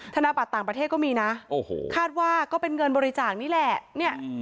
ธนาบัตรต่างประเทศก็มีนะคาดว่าก็เป็นเงินบริจาคนี่แหละ